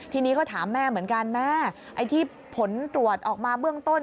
ทีนี้ก็ถามแม่เหมือนกันแม่ไอ้ที่ผลตรวจออกมาเบื้องต้น